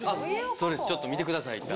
そうですちょっと見てください一旦。